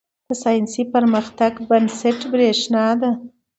• د ساینسي پرمختګ بنسټ برېښنا ده.